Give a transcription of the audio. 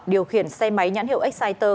điều khiển xe máy nhãn hiệu exciter